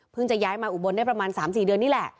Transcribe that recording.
จะย้ายมาอุบลได้ประมาณ๓๔เดือนนี่แหละ